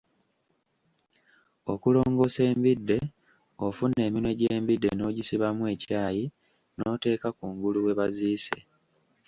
Okulongosa embidde, ofuna eminwe gy’embidde n’ogisibamu ekyayi n’oteeka kungulu we baziise.